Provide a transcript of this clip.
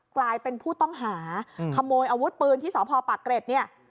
กลายเป็นผู้ต้องหาขโมยอาวุธปืนที่สพปากเกร็ดเนี่ย